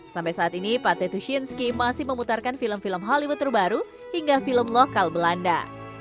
sampai saat ini pate tushinski masih memutarkan film film hollywood terbaru hingga film lokal belanda